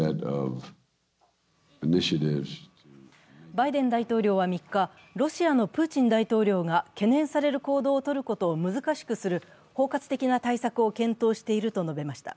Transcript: バイデン大統領は３日、ロシアのプーチン大統領が懸念される行動をとることを難しくする包括的な対策を検討していると述べました。